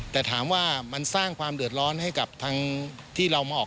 แต่ถามว่ามันสร้างความเดือดร้อนให้กับทางที่เรามาออก